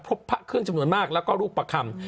พบผ้าขึ้นจำนวนมากแล้วก็ลูกประคำ